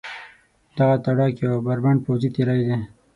دغه تاړاک یو بربنډ پوځي تېری دی.